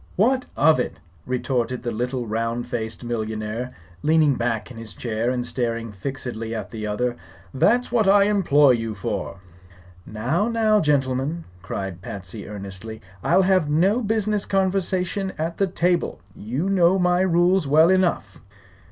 "What of it?" retorted the little round faced millionaire, leaning back in his chair and staring fixedly at the other. "That's what I employ you for." "Now, now, gentlemen!" cried Patsy, earnestly. "I'll have no business conversation at the table. You know my rules well enough."